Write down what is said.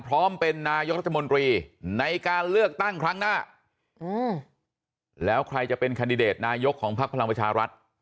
พร้อมเป็นนายกรัฐมนตรีในการเลือกตั้งครั้งหน้าแล้วใครจะเป็นคันดิเดตนายกของพักพลังประชารัฐ